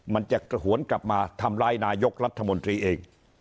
มันจะกระหวนกลับมาทำร้ายนายกรัฐมนตรีเอง